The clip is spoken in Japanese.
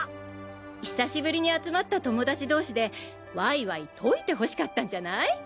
久しぶりに集まった友達同士でワイワイ解いてほしかったんじゃない？